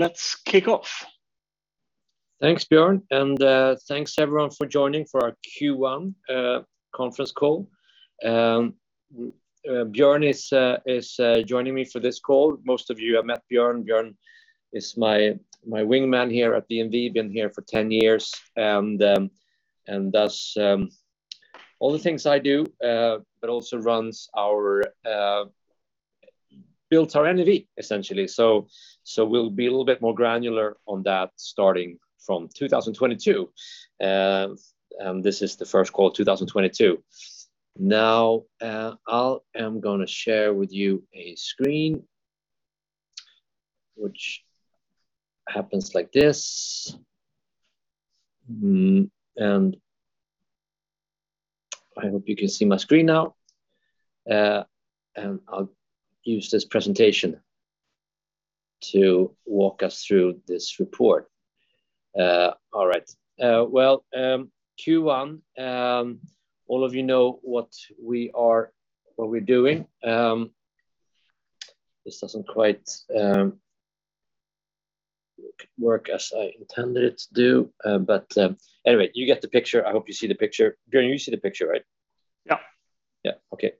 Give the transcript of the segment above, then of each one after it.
Let's kick off. Thanks, Björn, and thanks everyone for joining for our Q1 conference call. Björn is joining me for this call. Most of you have met Björn. Björn is my wingman here at VNV, been here for 10 years and does all the things I do, but also builds our NAV, essentially. We'll be a little bit more granular on that starting from 2022. This is the first call 2022. Now, I am gonna share with you a screen which happens like this. I hope you can see my screen now. I'll use this presentation to walk us through this report. All right. Well, Q1, all of you know what we're doing. This doesn't quite work as I intended it to do. But, anyway, you get the picture. I hope you see the picture. Björn, you see the picture, right? Yeah. Yeah. Okay.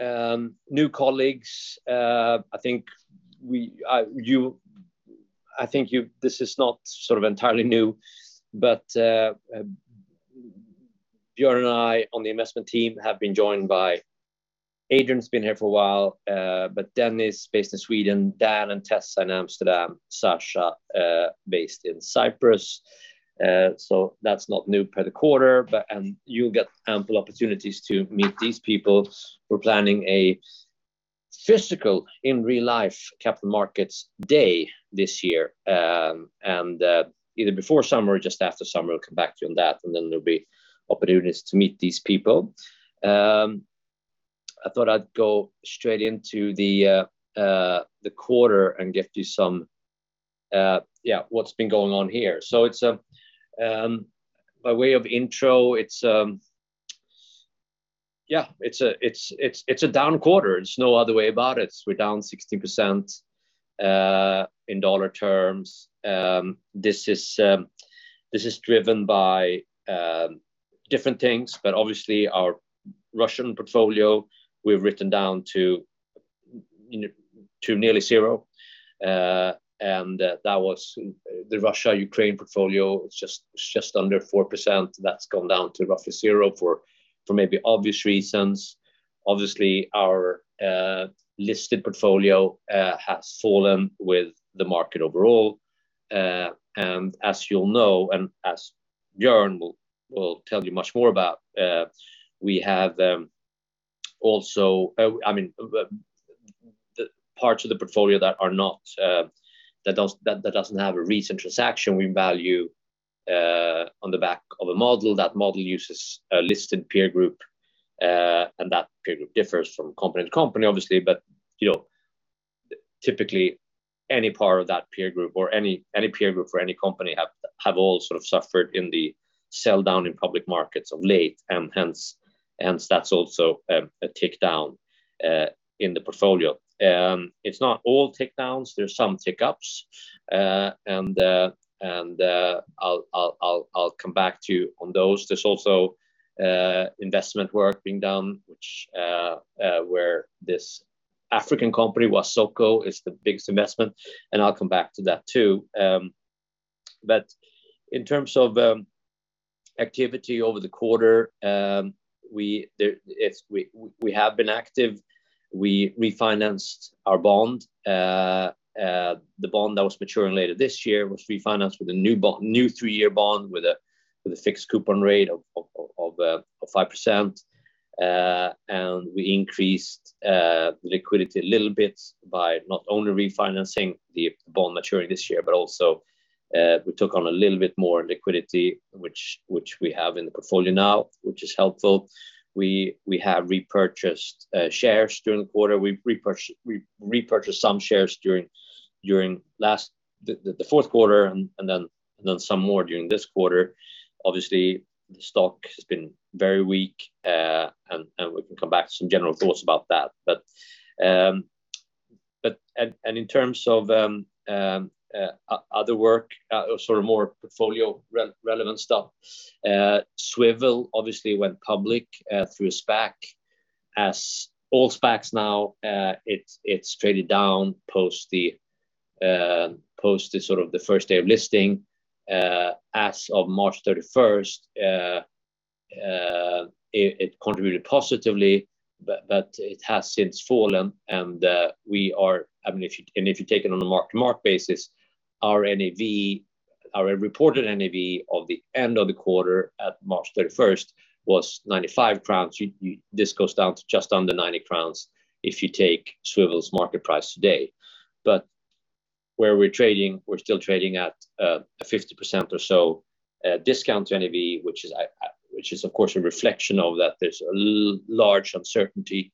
New colleagues, I think this is not sort of entirely new, but Björn and I on the investment team have been joined by Adrian's been here for a while, but Dennis based in Sweden, Dan and Tessa in Amsterdam, Sasha based in Cyprus. So that's not new per the quarter, but. You'll get ample opportunities to meet these people. We're planning a physical in-real-life capital markets day this year, and either before summer or just after summer, I'll come back to you on that, and then there'll be opportunities to meet these people. I thought I'd go straight into the quarter and give you some yeah, what's been going on here. By way of intro, it's yeah, it's a down quarter. There's no other way about it. We're down 60% in dollar terms. This is driven by different things. Obviously our Russian portfolio, we've written down to you know, to nearly zero. That was the Russia-Ukraine portfolio. It's just under 4%. That's gone down to roughly zero for maybe obvious reasons. Obviously, our listed portfolio has fallen with the market overall. As you'll know, and as Björn will tell you much more about, we have also—I mean, the parts of the portfolio that are not, that doesn't have a recent transaction, we value on the back of a model. That model uses a listed peer group, and that peer group differs from company to company, obviously. You know, typically any part of that peer group or any peer group for any company have all sort of suffered in the sell-down in public markets of late. Hence, that's also a tick down in the portfolio. It's not all tick downs. There's some tick ups, and I'll come back to you on those. There's also investment work being done, where this African company, Wasoko, is the biggest investment, and I'll come back to that too. In terms of activity over the quarter, we have been active. We refinanced our bond. The bond that was maturing later this year was refinanced with a new three-year bond with a fixed coupon rate of 5%. We increased the liquidity a little bit by not only refinancing the bond maturing this year, but also we took on a little bit more liquidity, which we have in the portfolio now, which is helpful. We have repurchased shares during the quarter. We repurchased some shares during the fourth quarter and then some more during this quarter. Obviously, the stock has been very weak, and we can come back to some general thoughts about that. In terms of other work, sort of more portfolio relevant stuff, Swvl obviously went public through a SPAC. As all SPACs now, it's traded down post the sort of the first day of listing. As of March 31, it contributed positively, but it has since fallen, and I mean, if you take it on a mark-to-market basis, our NAV, our reported NAV at the end of the quarter, March 31st, was 95 crowns. This goes down to just under 90 crowns if you take Swvl's market price today. Where we're trading, we're still trading at a 50% or so discount to NAV, which is of course a reflection of that. There's a large uncertainty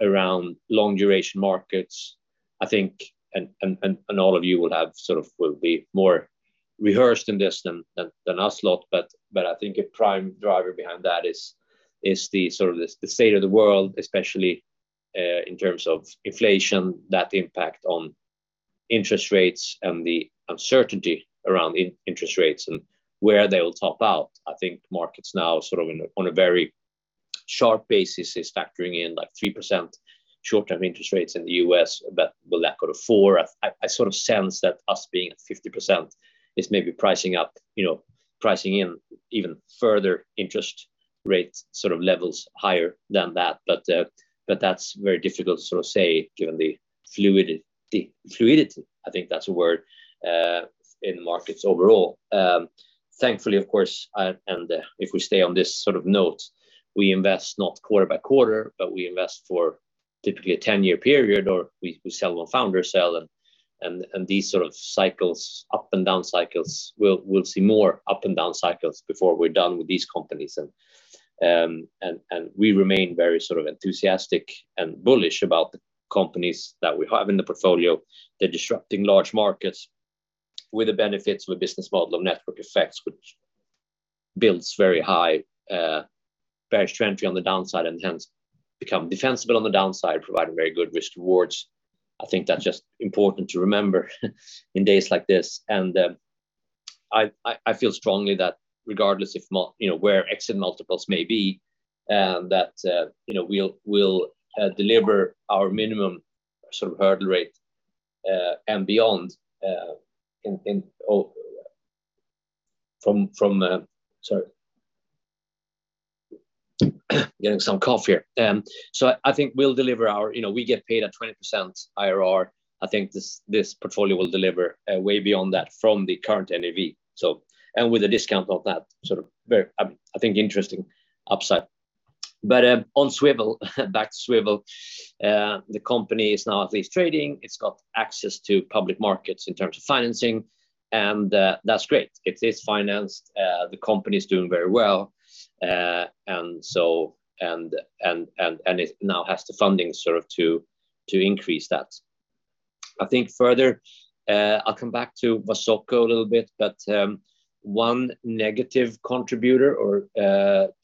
around long duration markets, I think. All of you will have sort of will be more rehearsed in this than us lot, but I think a prime driver behind that is the sort of the state of the world, especially in terms of inflation, that impact on interest rates and the uncertainty around interest rates and where they will top out. I think markets now sort of on a very sharp basis is factoring in like 3% short-term interest rates in the U.S., but will that go to 4%? I sort of sense that us being at 50% is maybe pricing up, you know, pricing in even further interest rates sort of levels higher than that. That's very difficult to sort of say given the fluidity, I think that's a word, in markets overall. Thankfully, of course, if we stay on this sort of note, we invest not quarter by quarter, but we invest for typically a ten-year period or we sell when founders sell, and these sort of cycles, up and down cycles, we'll see more up and down cycles before we're done with these companies. We remain very sort of enthusiastic and bullish about the companies that we have in the portfolio. They're disrupting large markets with the benefits of a business model of network effects, which builds very high barriers to entry on the downside and hence become defensible on the downside, providing very good risk rewards. I think that's just important to remember in days like this. I feel strongly that regardless of where exit multiples may be, you know, we'll deliver our minimum sort of hurdle rate and beyond from. I think we'll deliver our. You know, we get paid at 20% IRR. I think this portfolio will deliver way beyond that from the current NAV. with a discount of that sort of very, I think interesting upside. On Swvl, back to Swvl, the company is now at least trading. It's got access to public markets in terms of financing, and that's great. It is financed. The company's doing very well. It now has the funding sort of to increase that. I think further, I'll come back to Wasoko a little bit, one negative contributor or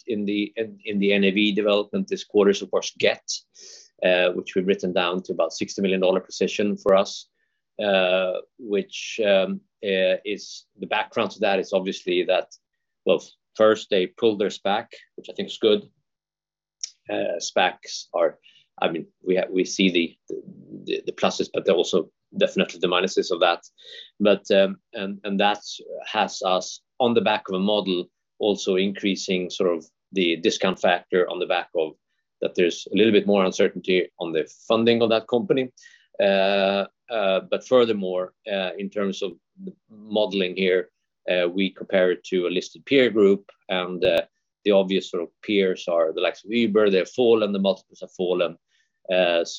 in the NAV development this quarter is, of course, Gett, which we've written down to about $60 million position for us, which is the background to that is obviously that, well, first they pulled their SPAC, which I think is good. SPACs are. I mean, we see the pluses, but they're also definitely the minuses of that. That has us on the back of a model also increasing sort of the discount factor on the back of that. There's a little bit more uncertainty on the funding of that company. Furthermore, in terms of the modeling here, we compare it to a listed peer group, and the obvious sort of peers are the likes of Uber. They've fallen, the multiples have fallen. That's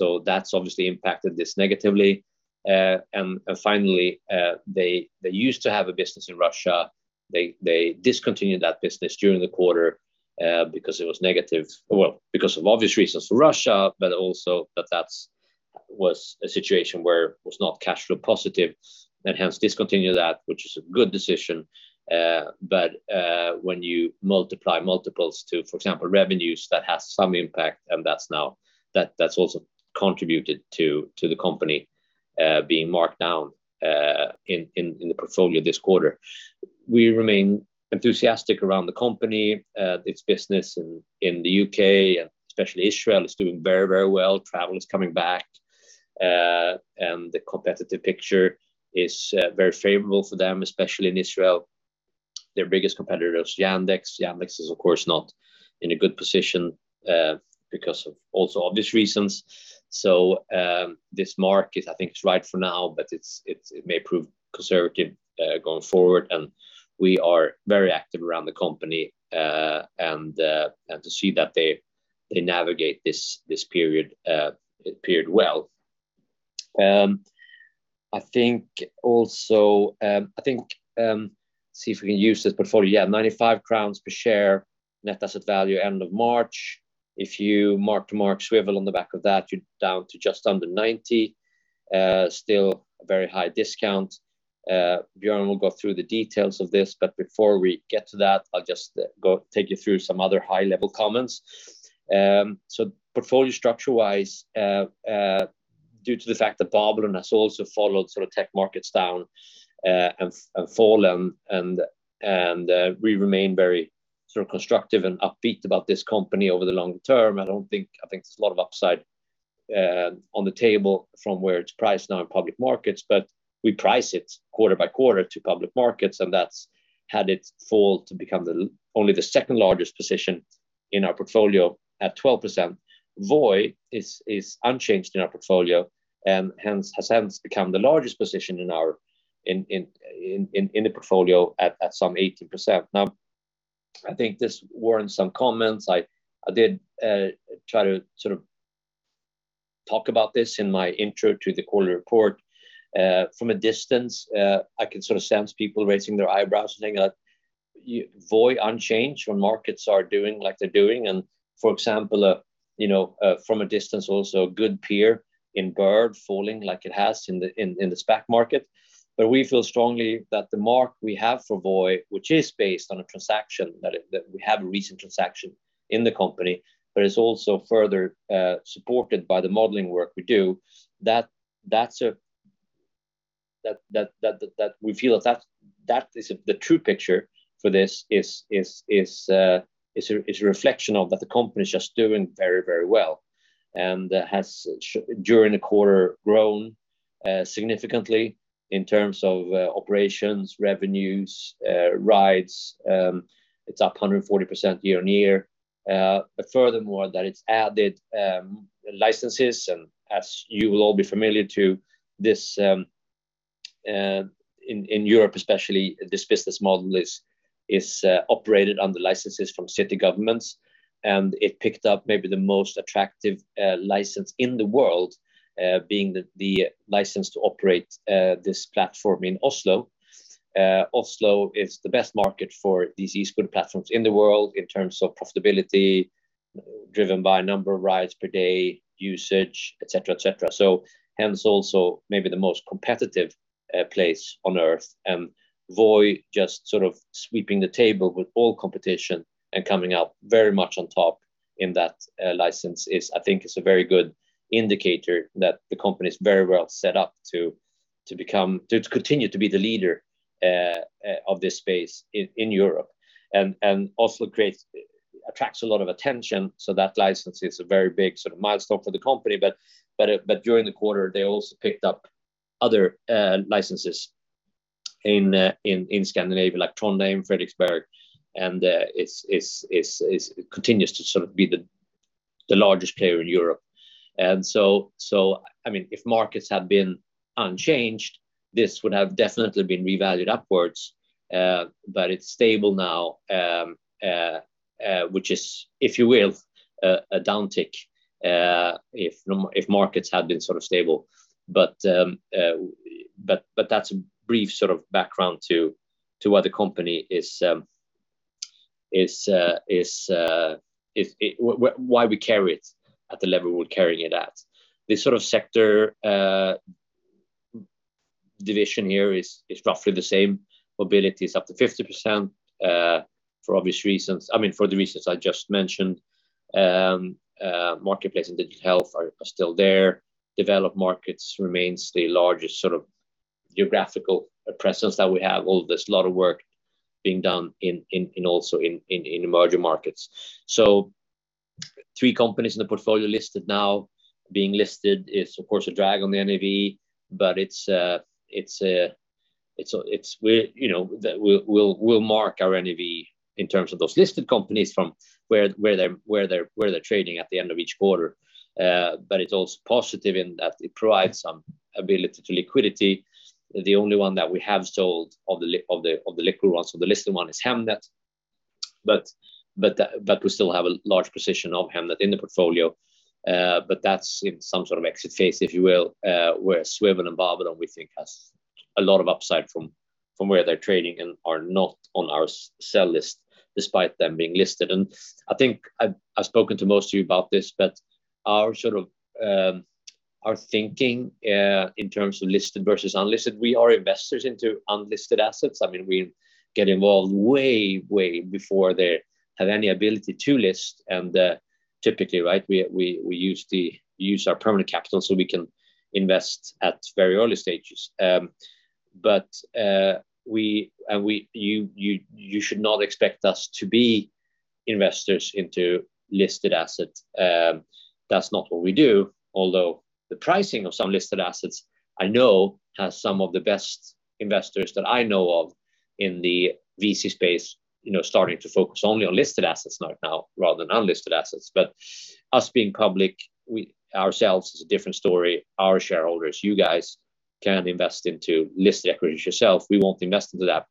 obviously impacted this negatively. Finally, they used to have a business in Russia. They discontinued that business during the quarter because it was negative. Well, because of obvious reasons for Russia, but also that that was a situation where it was not cash flow positive and hence discontinued that, which is a good decision. But when you apply multiples to, for example, revenues, that has some impact, and that's now also contributed to the company being marked down in the portfolio this quarter. We remain enthusiastic around the company, its business in the U.K. and especially Israel is doing very, very well. Travel is coming back. The competitive picture is very favorable for them, especially in Israel. Their biggest competitor is Yandex. Yandex is of course not in a good position because of also obvious reasons. This market I think is right for now, but it may prove conservative going forward. We are very active around the company and to see that they navigate this period well. I think also see if we can use this portfolio. Yeah, 95 crowns per share, net asset value end of March. If you mark-to-market Swvl on the back of that, you're down to just under 90. Still a very high discount. Björn will go through the details of this, but before we get to that, I'll just go take you through some other high-level comments. Portfolio structure-wise, due to the fact that Babylon has also followed sort of tech markets down and fallen, we remain very sort of constructive and upbeat about this company over the long term. I think there's a lot of upside on the table from where it's priced now in public markets. We price it quarter by quarter to public markets, and that's had its fall to become only the second-largest position in our portfolio at 12%. Voi is unchanged in our portfolio and hence has become the largest position in our portfolio at some 18%. Now, I think this warrants some comments. I did try to sort of talk about this in my intro to the quarterly report. From a distance, I can sort of sense people raising their eyebrows and saying like Voi unchanged when markets are doing like they're doing. For example, you know, from a distance also, GoPuff and Bird falling like it has in the SPAC market. We feel strongly that the mark we have for Voi, which is based on a transaction that we have a recent transaction in the company, but it's also further supported by the modeling work we do. That we feel that is the true picture for this is a reflection of that the company's just doing very, very well. During the quarter grown significantly in terms of operations, revenues, rides. It's up 140% year-over-year. Furthermore that it's added licenses and as you will all be familiar with this, in Europe especially, this business model is operated under licenses from city governments. It picked up maybe the most attractive license in the world, being the license to operate this platform in Oslo. Oslo is the best market for these e-scooter platforms in the world in terms of profitability, driven by number of rides per day, usage, et cetera, et cetera. Hence also maybe the most competitive place on earth. Voi just sort of sweeping the table with all competition and coming out very much on top in that license is, I think, a very good indicator that the company's very well set up to continue to be the leader of this space in Europe. It also attracts a lot of attention, so that license is a very big sort of milestone for the company. During the quarter, they also picked up other licenses in Scandinavia like Trondheim, Frederiksberg, and it continues to sort of be the largest player in Europe. I mean, if markets had been unchanged, this would have definitely been revalued upwards. It's stable now, which is, if you will, a downtick if markets had been sort of stable. That's a brief sort of background to why the company is why we carry it at the level we're carrying it at. This sort of sector division here is roughly the same. Mobility is up to 50% for obvious reasons. I mean, for the reasons I just mentioned. Marketplace and digital health are still there. Developed markets remains the largest sort of geographical presence that we have, although there's a lot of work being done also in emerging markets. Three companies in the portfolio listed now. Being listed is of course a drag on the NAV, but it's that we'll mark our NAV in terms of those listed companies from where they're trading at the end of each quarter. It's also positive in that it provides some ability to liquidity. The only one that we have sold of the liquid ones, so the listed one is Hemnet. We still have a large position of Hemnet in the portfolio. That's in some sort of exit phase, if you will. Where Swvl and Babylon, we think has a lot of upside from where they're trading and are not on our sell list despite them being listed. I think I've spoken to most of you about this, but our sort of, our thinking in terms of listed versus unlisted, we are investors into unlisted assets. I mean, we get involved way before they have any ability to list and, typically, right, we use our permanent capital so we can invest at very early stages. You should not expect us to be investors into listed assets. That's not what we do, although the pricing of some listed assets I know has some of the best investors that I know of in the VC space, you know, starting to focus only on listed assets right now, rather than unlisted assets. Us being public, we ourselves is a different story. Our shareholders, you guys can invest into listed equities yourself. We won't invest into that.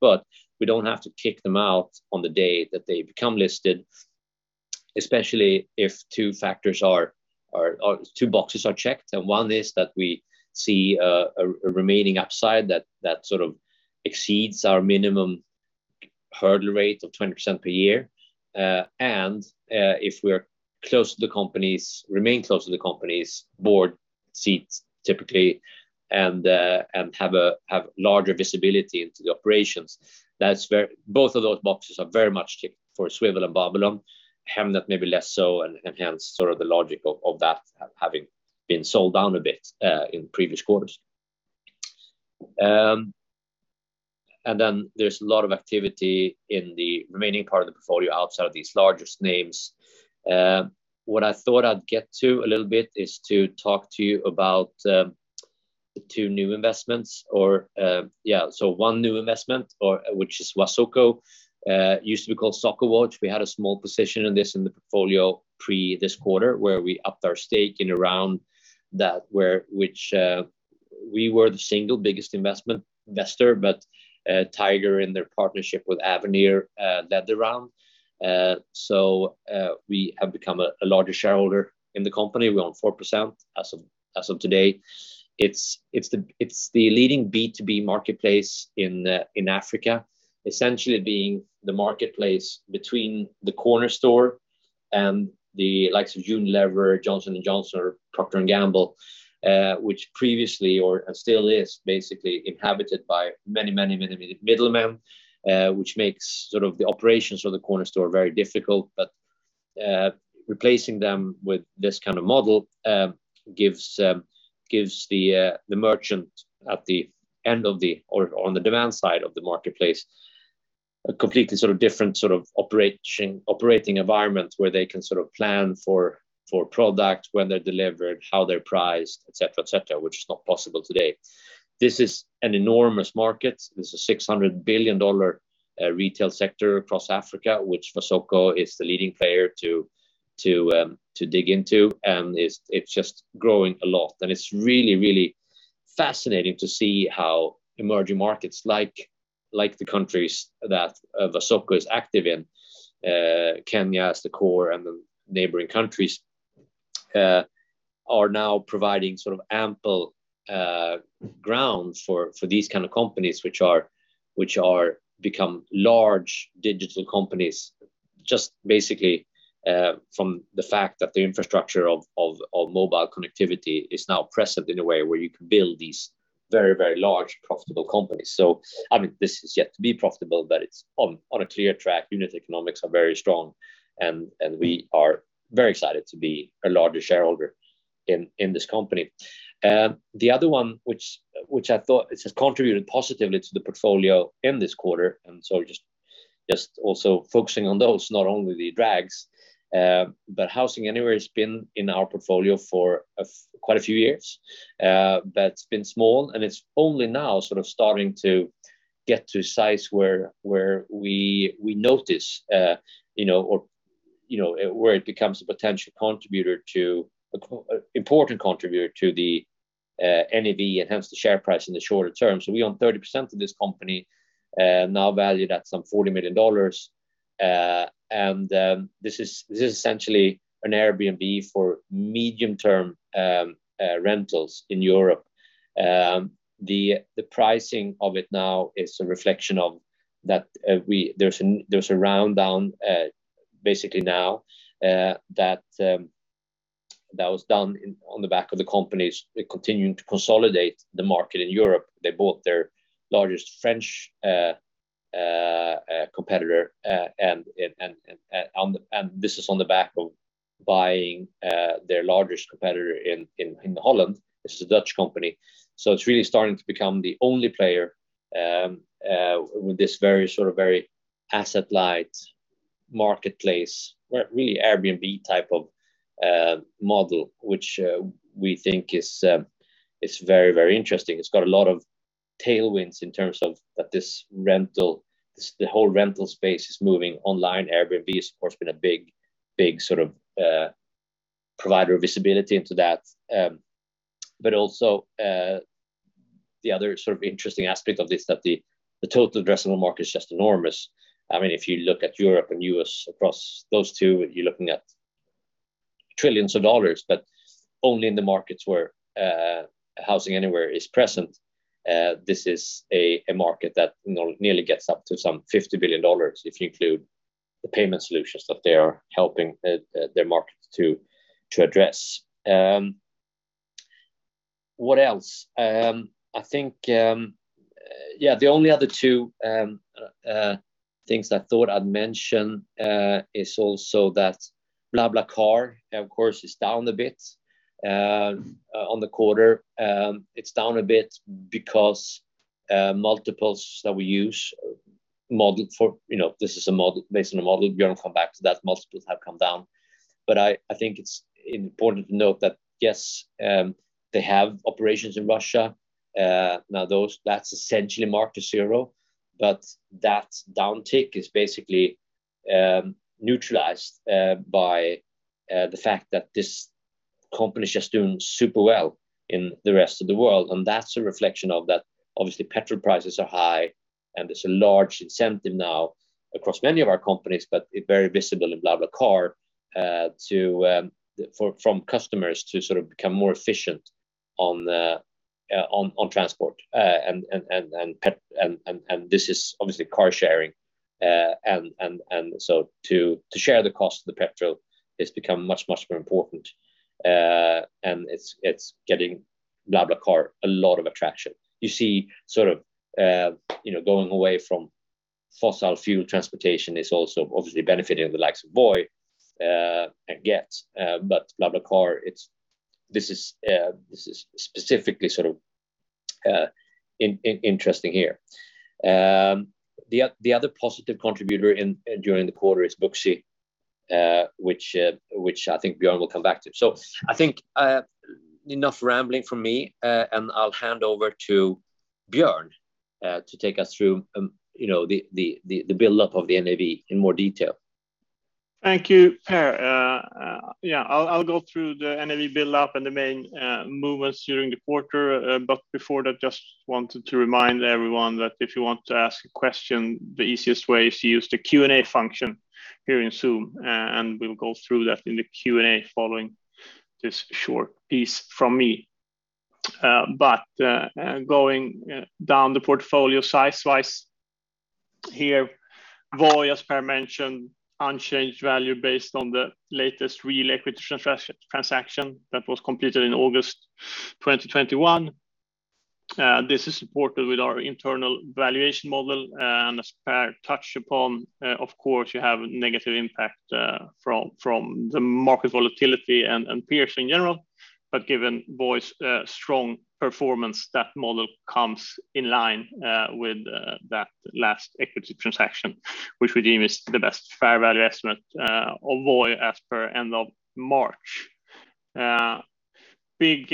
We don't have to kick them out on the day that they become listed, especially if two boxes are checked. One is that we see a remaining upside that sort of exceeds our minimum hurdle rate of 20% per year, and if we remain close to the company's board seats typically and have larger visibility into the operations. Both of those boxes are very much ticked for Swvl and Babylon. Hemnet maybe less so, and hence sort of the logic of that having been sold down a bit in previous quarters. There's a lot of activity in the remaining part of the portfolio outside of these largest names. What I thought I'd get to a little bit is to talk to you about the two new investments. One new investment which is Wasoko, used to be called Sokowatch. We had a small position in this in the portfolio pre this quarter, where we upped our stake in a round which we were the single biggest investor, but Tiger in their partnership with Avenir led the round. We have become a larger shareholder in the company. We own 4% as of today. It's the leading B2B marketplace in Africa, essentially being the marketplace between the corner store and the likes of Unilever, Johnson & Johnson, Procter & Gamble, which previously or still is basically inhabited by many middlemen, which makes sort of the operations of the corner store very difficult. Replacing them with this kind of model gives the merchant on the demand side of the marketplace a completely sort of different sort of operating environment where they can sort of plan for product, when they're delivered, how they're priced, et cetera, which is not possible today. This is an enormous market. This is $600 billion retail sector across Africa, which Wasoko is the leading player to dig into. It's just growing a lot. It's really fascinating to see how emerging markets like the countries that Wasoko is active in, Kenya as the core and the neighboring countries, are now providing sort of ample ground for these kind of companies which are becoming large digital companies just basically from the fact that the infrastructure of mobile connectivity is now present in a way where you can build these very large profitable companies. I mean, this is yet to be profitable, but it's on a clear track. Unit economics are very strong, and we are very excited to be a larger shareholder in this company. The other one which I thought has contributed positively to the portfolio in this quarter, just also focusing on those, not only the drags, but HousingAnywhere has been in our portfolio for quite a few years. That's been small, and it's only now sort of starting to get to size where we notice, you know, or you know, where it becomes a potential contributor to important contributor to the NAV, and hence the share price in the shorter term. We own 30% of this company, now valued at some $40 million. This is essentially an Airbnb for medium-term rentals in Europe. The pricing of it now is a reflection of that. There was a round down, basically now, that was done on the back of the companies continuing to consolidate the market in Europe. They bought their largest French competitor, and this is on the back of buying their largest competitor in Holland. This is a Dutch company. So it's really starting to become the only player with this very sort of asset-light marketplace, really Airbnb type of model, which we think is very interesting. It's got a lot of tailwinds in terms of this rental, the whole rental space is moving online. Airbnb has of course been a big sort of provider of visibility into that. Also, the other sort of interesting aspect of this is that the total addressable market is just enormous. I mean, if you look at Europe and U.S., across those two, you're looking at trillions of dollars, but only in the markets where HousingAnywhere is present. This is a market that nearly gets up to $50 billion if you include the payment solutions that they are helping their markets to address. What else? I think, yeah, the only other two things I thought I'd mention is also that BlaBlaCar, of course, is down a bit on the quarter. It's down a bit because multiples that we use. You know, this is a model, based on a model. Björn will come back to that. Multiples have come down. I think it's important to note that, yes, they have operations in Russia. Now that's essentially marked to zero. That downtick is basically neutralized by the fact that this company is just doing super well in the rest of the world. That's a reflection of that. Obviously, petrol prices are high, and there's a large incentive now across many of our companies, but very visible in BlaBlaCar from customers to sort of become more efficient on the transport. This is obviously car sharing. To share the cost of the petrol has become much, much more important. It's getting BlaBlaCar a lot of traction. You see sort of, you know, going away from fossil fuel transportation is also obviously benefiting the likes of Voi and Gett. BlaBlaCar, this is specifically sort of interesting here. The other positive contributor during the quarter is Booksy, which I think Björn will come back to. I think I have enough rambling from me, and I'll hand over to Björn to take us through, you know, the buildup of the NAV in more detail. Thank you, Per. Yeah. I'll go through the NAV buildup and the main movements during the quarter. Just wanted to remind everyone that if you want to ask a question, the easiest way is to use the Q&A function here in Zoom, and we'll go through that in the Q&A following this short piece from me. Going down the portfolio size-wise here, Voi, as Per mentioned, unchanged value based on the latest real equity transaction that was completed in August 2021. This is supported with our internal valuation model, and as Per touched upon, of course, you have negative impact from the market volatility and peers in general. Given Voi's strong performance, that model comes in line with that last equity transaction, which we deem is the best fair value estimate of Voi as per end of March. Big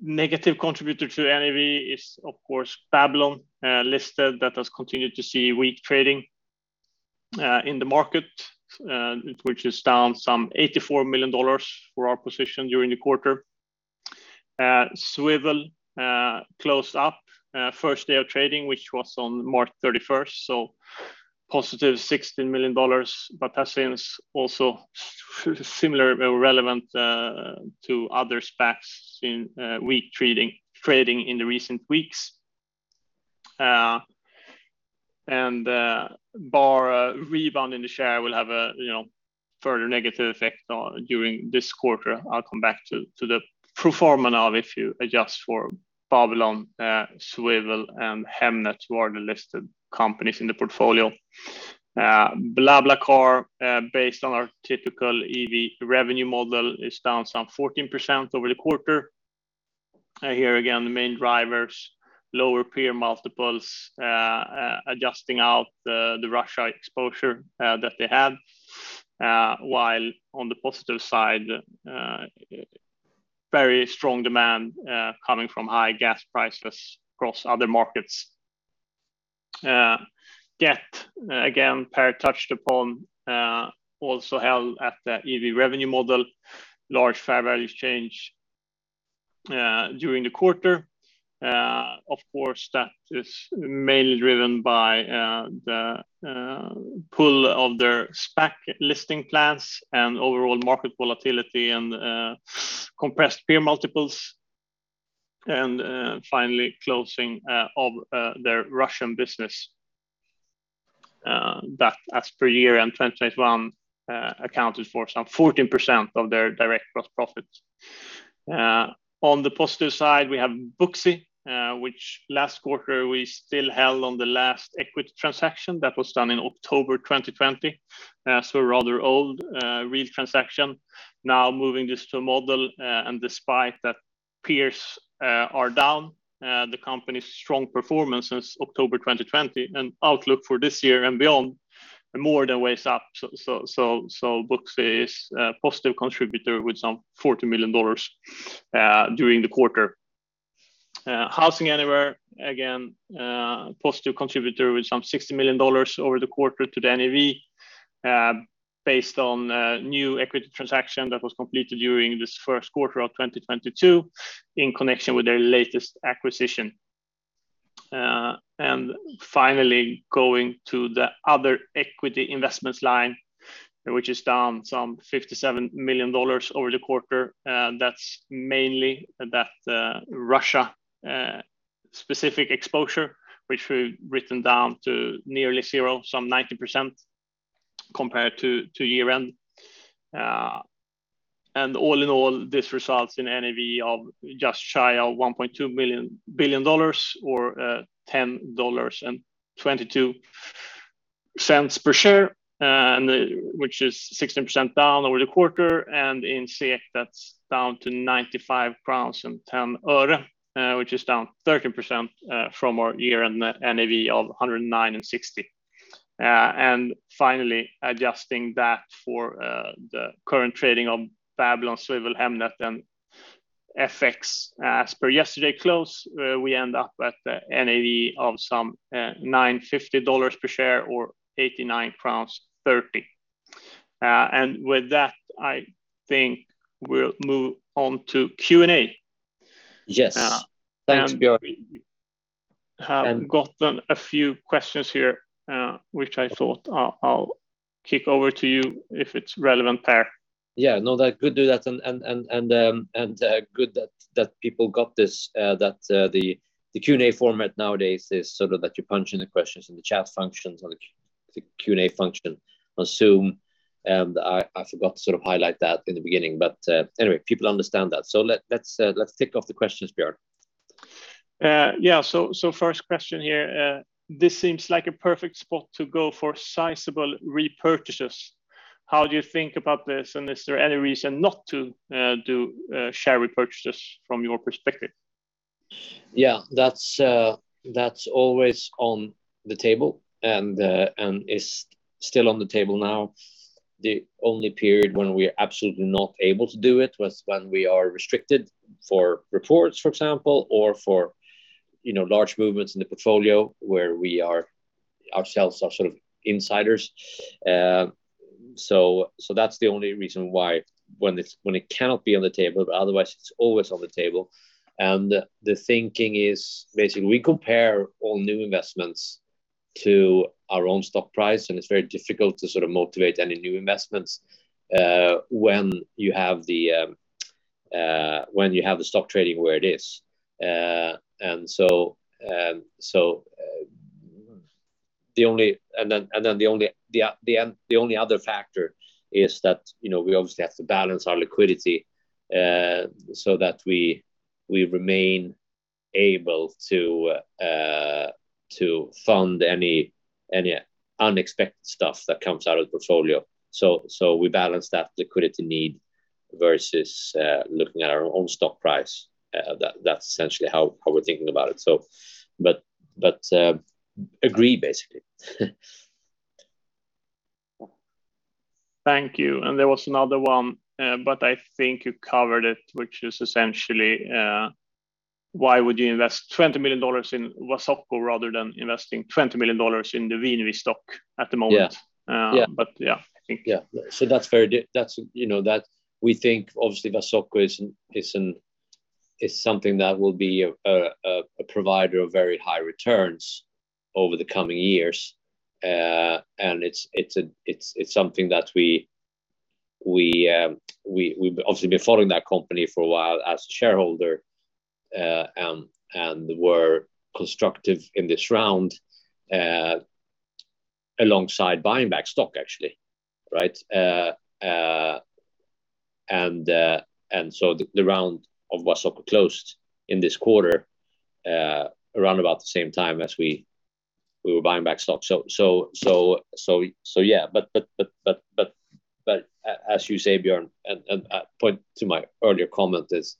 negative contributor to NAV is, of course, Babylon, listed, that has continued to see weak trading in the market, which is down some $84 million for our position during the quarter. Swvl closed up first day of trading, which was on March 31st, so positive $60 million. That seems also similar or relevant to other SPACs in weak trading in the recent weeks. Barring a rebound in the share will have a, you know, further negative effect on NAV during this quarter. I'll come back to the pro forma now if you adjust for Babylon, Swvl, and Hemnet who are the listed companies in the portfolio. BlaBlaCar, based on our typical EV/revenue model, is down some 14% over the quarter. Here again, the main drivers, lower peer multiples, adjusting out the Russia exposure that they had. While on the positive side, very strong demand coming from high gas prices across other markets. Gett, again, Per touched upon, also held at the EV/revenue model, large fair value change during the quarter. Of course, that is mainly driven by the pull of their SPAC listing plans and overall market volatility and compressed peer multiples. Finally closing of their Russian business that as per year-end 2021 accounted for some 14% of their direct gross profits. On the positive side, we have Booksy, which last quarter we still held on the last equity transaction that was done in October 2020. So rather old real transaction. Now moving this to a model, and despite that peers are down, the company's strong performance since October 2020 and outlook for this year and beyond more than weighs up. So Booksy is a positive contributor with some $40 million during the quarter. HousingAnywhere, again, positive contributor with $60 million over the quarter to the NAV, based on a new equity transaction that was completed during this first quarter of 2022 in connection with their latest acquisition. Finally, going to the other equity investments line, which is down $57 million over the quarter. That's mainly Russia specific exposure, which we've written down to nearly zero, 90% compared to year-end. All in all this results in NAV of just shy of $1.2 billion or $10.22 per share, which is 16% down over the quarter. In SEK, that's down to 95.10 crowns, which is down 13% from our year-end NAV of 109.60. Finally adjusting that for the current trading of Babylon, Swvl, Hemnet, and Voi as per yesterday close, we end up at a NAV of some $9.50 per share or 89.30 crowns. With that, I think we'll move on to Q&A. Yes. Uh- Thanks, Björn.... have gotten a few questions here, which I thought I'll kick over to you if it's relevant, Per. Yeah, no, good to do that. Good that people got this, that the Q&A format nowadays is sort of that you punch in the questions in the chat functions or the Q&A function on Zoom. I forgot to sort of highlight that in the beginning, but anyway, people understand that. Let's tick off the questions, Björn. Yeah. First question here, this seems like a perfect spot to go for sizable repurchases. How do you think about this, and is there any reason not to do share repurchases from your perspective? Yeah, that's always on the table and is still on the table now. The only period when we're absolutely not able to do it was when we are restricted for reports, for example, or for, you know, large movements in the portfolio where we ourselves are sort of insiders. That's the only reason why it cannot be on the table. Otherwise, it's always on the table. The thinking is basically we compare all new investments to our own stock price, and it's very difficult to sort of motivate any new investments, when you have the stock trading where it is. The only other factor is that, you know, we obviously have to balance our liquidity so that we remain able to fund any unexpected stuff that comes out of the portfolio. We balance that liquidity need versus looking at our own stock price. That's essentially how we're thinking about it. But agree, basically. Thank you. There was another one, but I think you covered it, which is essentially, why would you invest $20 million in Wasoko rather than investing $20 million in the VNV stock at the moment? Yeah. Yeah. Yeah. That's, you know, that we think obviously Wasoko is something that will be a provider of very high returns over the coming years. It's something that we've obviously been following that company for a while as a shareholder, and we're constructive in this round, alongside buying back stock, actually, right? The round of Wasoko closed in this quarter, around about the same time as we were buying back stock. Yeah. As you say, Björn, and I point to my earlier comment is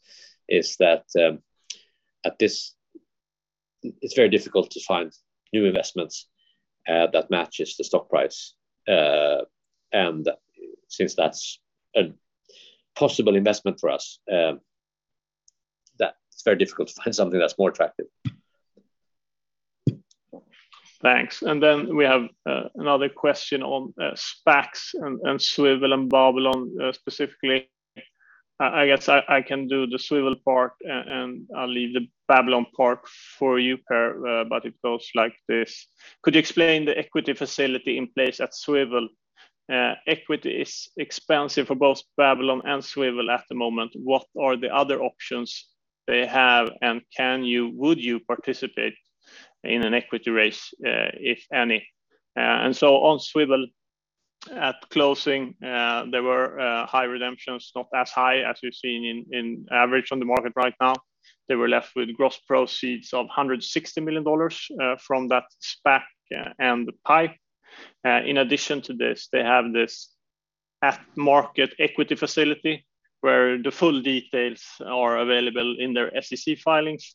that it's very difficult to find new investments that matches the stock price. Since that's a possible investment for us, that's very difficult to find something that's more attractive. Thanks. We have another question on SPACs and Swvl and Babylon specifically. I guess I can do the Swvl part and I'll leave the Babylon part for you, Per, but it goes like this. Could you explain the equity facility in place at Swvl? Equity is expensive for both Babylon and Swvl at the moment. What are the other options they have, and would you participate in an equity raise, if any? Swvl at closing, there were high redemptions, not as high as we've seen on average on the market right now. They were left with gross proceeds of $160 million from that SPAC and the PIPE. In addition to this, they have this at-the-market equity facility where the full details are available in their SEC filings,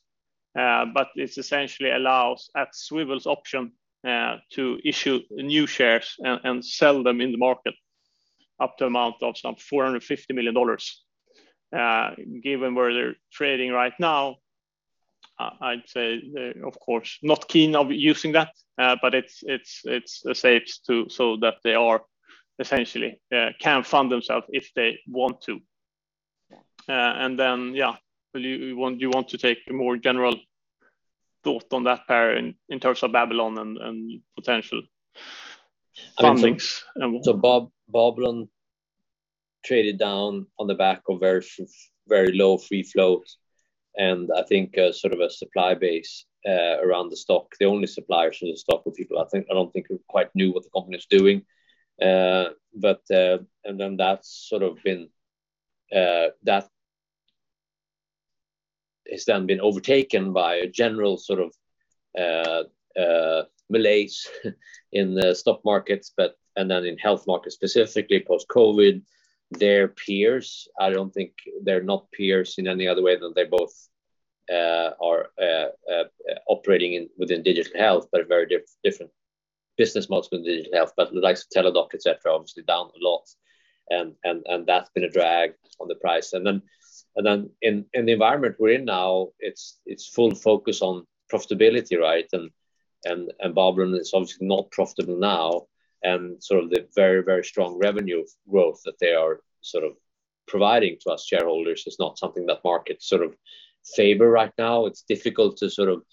but this essentially allows, at Swvl's option, to issue new shares and sell them in the market up to an amount of some $450 million. Given where they're trading right now, I'd say, of course, not keen on using that, but it's safe to say that they can essentially fund themselves if they want to. Do you want to take a more general thought on that, Per, in terms of Babylon and potential fundings? Babylon traded down on the back of very low free float, and I think sort of a supply base around the stock. The only suppliers of the stock were people I don't think who quite knew what the company was doing. That has then been overtaken by a general sort of malaise in the stock markets, and then in health markets specifically, post-COVID. Their peers, I don't think they're not peers in any other way than they both are operating within digital health, but are very different business models within digital health. The likes of Teladoc, et cetera, obviously down a lot, and that's been a drag on the price. In the environment we're in now, it's full focus on profitability, right? Babylon is obviously not profitable now, and sort of the very strong revenue growth that they are sort of providing to us shareholders is not something that markets sort of favor right now. It's difficult to sort of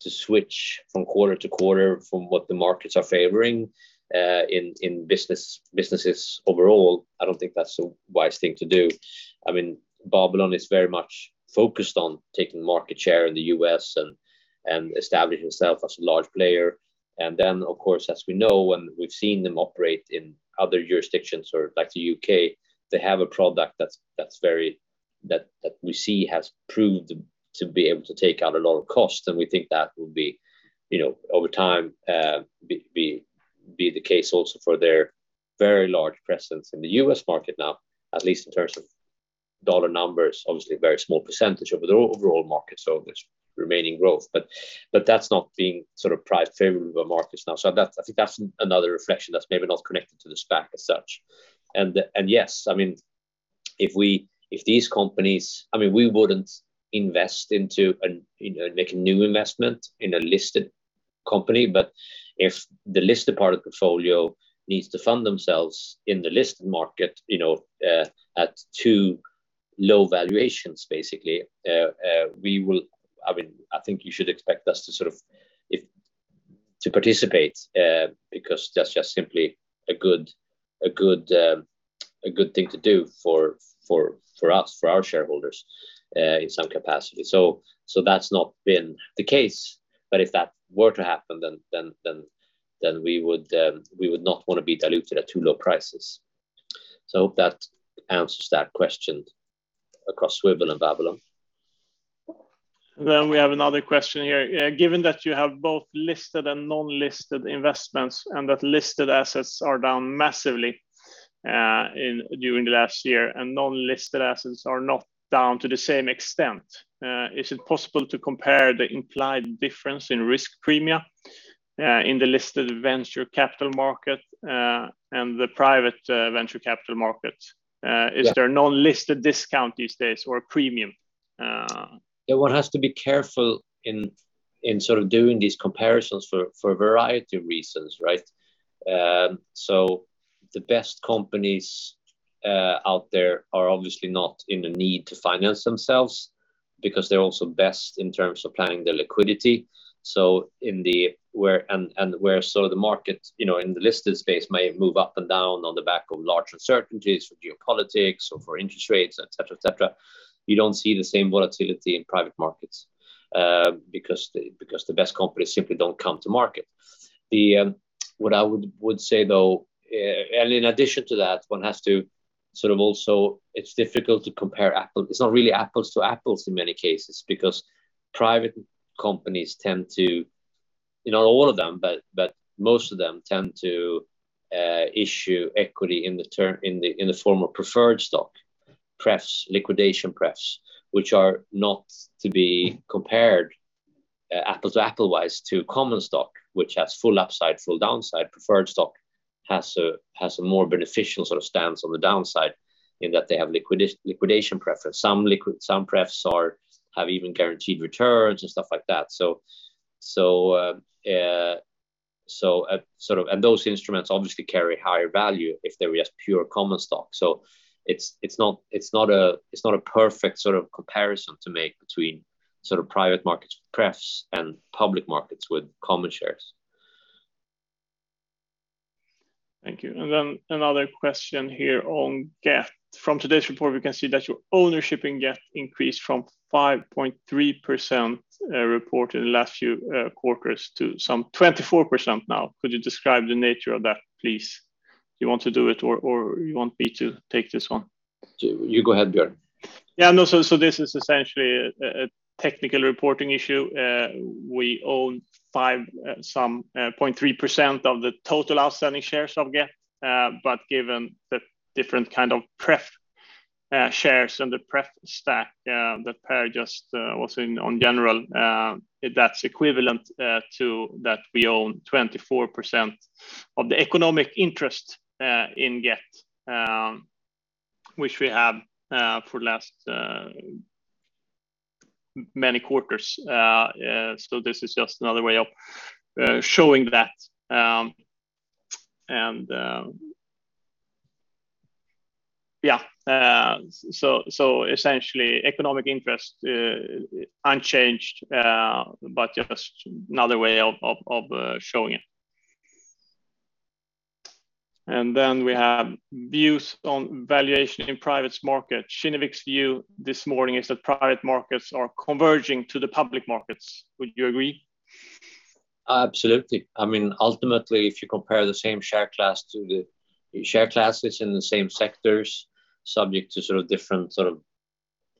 switch from quarter to quarter from what the markets are favoring in businesses overall. I don't think that's a wise thing to do. I mean, Babylon is very much focused on taking market share in the U.S. and establishing itself as a large player. Of course, as we know, we've seen them operate in other jurisdictions like the U.K. They have a product that we see has proved to be able to take out a lot of cost, and we think that will be, you know, over time, be the case also for their very large presence in the U.S. market now, at least in terms of dollar numbers, obviously a very small percentage of the overall market. There's remaining growth, but that's not being sort of priced favorably by markets now. That's another reflection that's maybe not connected to the SPAC as such. Yes, I mean, if these companies, I mean, we wouldn't invest into, you know, make a new investment in a listed company. If the listed part of the portfolio needs to fund themselves in the listed market, you know, at too low valuations basically, we will. I mean, I think you should expect us to participate, because that's just simply a good thing to do for us, for our shareholders, in some capacity. That's not been the case, but if that were to happen then we would not wanna be diluted at too low prices. I hope that answers that question across Swvl and Babylon. We have another question here. Given that you have both listed and non-listed investments, and that listed assets are down massively during the last year, and non-listed assets are not down to the same extent, is it possible to compare the implied difference in risk premia in the listed venture capital market and the private venture capital market? Yeah. Is there non-listed discount these days or a premium? Yeah. One has to be careful in sort of doing these comparisons for a variety of reasons, right? The best companies out there are obviously not in the need to finance themselves because they're also best in terms of planning their liquidity. Where sort of the market, you know, in the listed space may move up and down on the back of large uncertainties for geopolitics or for interest rates, et cetera, et cetera, you don't see the same volatility in private markets because the best companies simply don't come to market. What I would say though, and in addition to that, one has to sort of also. It's difficult to compare apples to apples in many cases because private companies tend to, you know, not all of them, but most of them tend to issue equity in the form of preferred stock, prefs, liquidation preference, which are not to be compared apples to apples to common stock, which has full upside, full downside. Preferred stock has a more beneficial sort of stance on the downside in that they have liquidation preference. Some prefs have even guaranteed returns and stuff like that. Those instruments obviously carry higher value if they were just pure common stock. It's not a perfect sort of comparison to make between sort of private markets prefs and public markets with common shares. Thank you. Another question here on Gett. From today's report, we can see that your ownership in Gett increased from 5.3%, reported in the last few quarters to some 24% now. Could you describe the nature of that, please? Do you want to do it or you want me to take this one? You go ahead, Björn. This is essentially a technical reporting issue. We own 5.3% of the total outstanding shares of Gett. But given the different kind of preferred shares and the preferred stack, that Per just was in on general, that's equivalent to that we own 24% of the economic interest in Gett, which we have for the last many quarters. This is just another way of showing that. Essentially economic interest unchanged, but just another way of showing it. We have views on valuation in private markets. Kinnevik's view this morning is that private markets are converging to the public markets. Would you agree? Absolutely. I mean, ultimately, if you compare the same share class to the share classes in the same sectors subject to sort of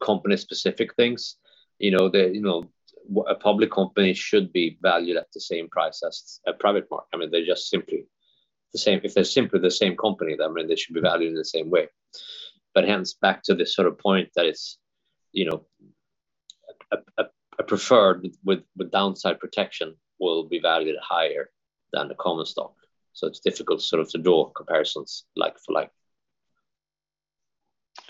company-specific things, you know, a public company should be valued at the same price as a private market. I mean, they're just simply the same. If they're simply the same company, then, I mean, they should be valued in the same way. Hence back to this sort of point that it's, you know, a preferred with downside protection will be valued higher than the common stock, so it's difficult sort of to do comparisons like for like.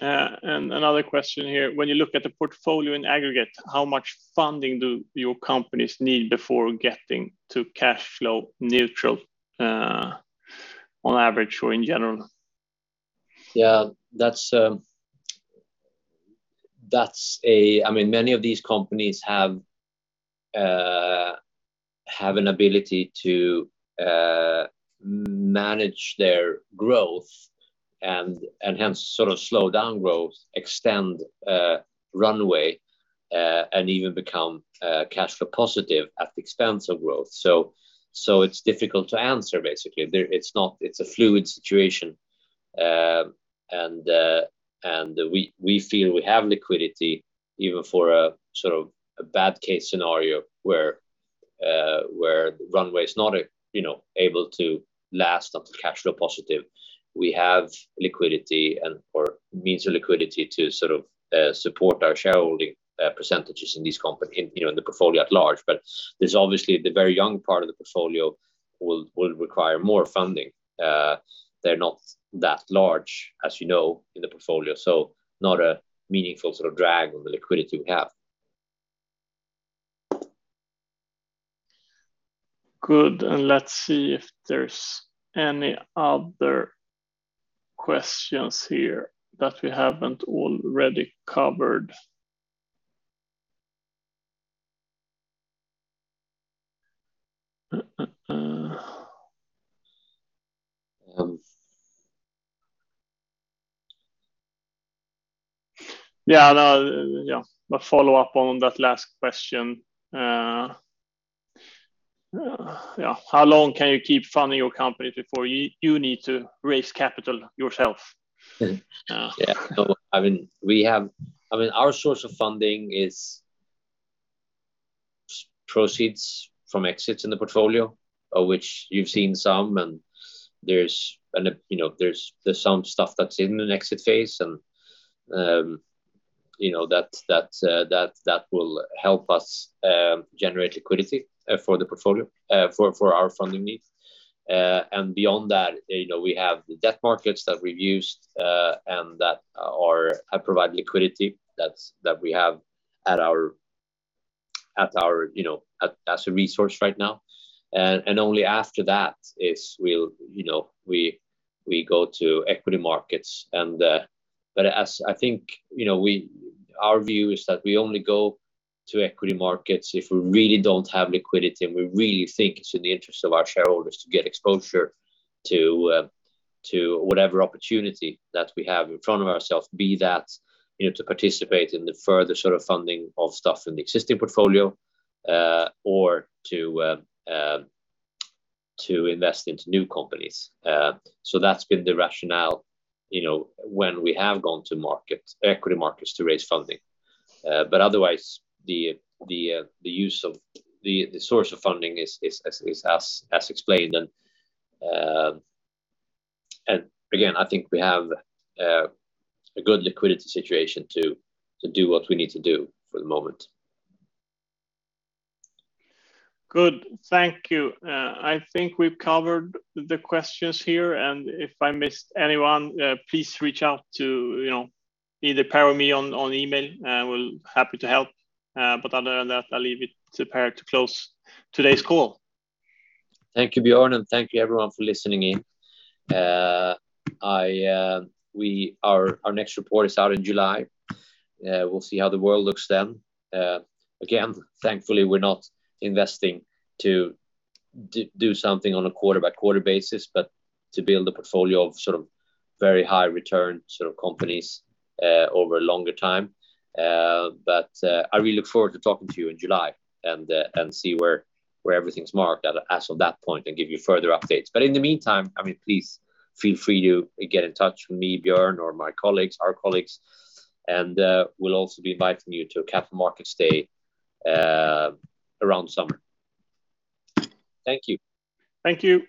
Another question here. When you look at the portfolio in aggregate, how much funding do your companies need before getting to cash flow neutral, on average or in general? Yeah, that's. I mean, many of these companies have an ability to manage their growth and hence sort of slow down growth, extend runway, and even become cash flow positive at the expense of growth. So it's difficult to answer, basically. It's a fluid situation. And we feel we have liquidity even for a sort of bad case scenario where runway is not you know able to last until cash flow positive. We have liquidity and/or means of liquidity to sort of support our shareholding percentages in these companies in you know in the portfolio at large. But there's obviously the very young part of the portfolio will require more funding. They're not that large, as you know, in the portfolio, so not a meaningful sort of drag on the liquidity we have. Good. Let's see if there's any other questions here that we haven't already covered. Yeah, no, yeah. A follow-up on that last question. How long can you keep funding your company before you need to raise capital yourself? Yeah. I mean, our source of funding is proceeds from exits in the portfolio, of which you've seen some, and there's some stuff that's in an exit phase and, you know, that will help us generate liquidity for the portfolio, for our funding needs. Beyond that, you know, we have the debt markets that we've used, and that have provided liquidity that we have at our disposal right now. Only after that, we'll, you know, go to equity markets. As I think, you know, our view is that we only go to equity markets if we really don't have liquidity and we really think it's in the interest of our shareholders to get exposure to whatever opportunity that we have in front of ourselves, be that, you know, to participate in the further sort of funding of stuff in the existing portfolio, or to invest into new companies. That's been the rationale, you know, when we have gone to market, equity markets to raise funding. Otherwise, the use of the source of funding is as explained. Again, I think we have a good liquidity situation to do what we need to do for the moment. Good. Thank you. I think we've covered the questions here, and if I missed anyone, please reach out to, you know, either Per or me on email, and we'll be happy to help. Other than that, I'll leave it to Per to close today's call. Thank you, Björn, and thank you everyone for listening in. Our next report is out in July. We'll see how the world looks then. Again, thankfully, we're not investing to do something on a quarter-by-quarter basis, but to build a portfolio of sort of very high return sort of companies over a longer time. I really look forward to talking to you in July and see where everything's marked at, as of that point, and give you further updates. In the meantime, I mean, please feel free to get in touch with me, Björn, or my colleagues, and we'll also be inviting you to a Capital Markets Day around summer. Thank you. Thank you.